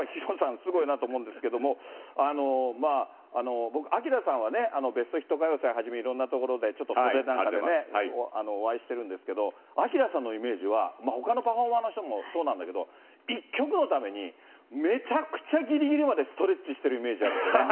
すごいなと思うんですけども、僕、ＡＫＩＲＡさんはね、ベストヒット歌謡祭はじめいろんなところで、ちょっと袖なんかでね、お会いしてるんですけれども、ＡＫＩＲＡさんのイメージはほかのパフォーマーの人もそうなんだけど、１曲のためにめちゃくちゃぎりぎりまでストレッチしてるイメージあるよね。